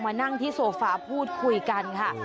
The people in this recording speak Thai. นั่งที่โซฟาพูดคุยกันค่ะ